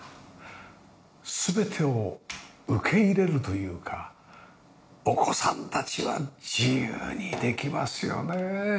全てを受け入れるというかお子さんたちは自由にできますよね。